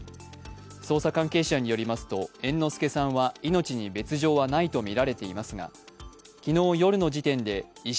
捜査関係者によりますと猿之助さんは命に別状はないとみられていますが昨日夜の時点で意識